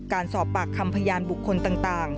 การสอบปากคำพยานบุคคลต่าง